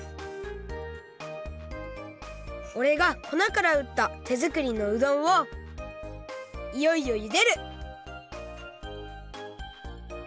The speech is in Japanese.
おれがこなからうった手作りのうどんをいよいよゆでる！